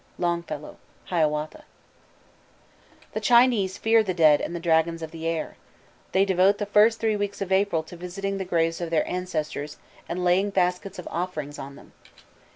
LONGFELLOW: Hiawatha. The Chinese fear the dead and the dragons of the air. They devote the first three weeks in April to visiting the graves of their ancestors, and laying baskets of offerings on them.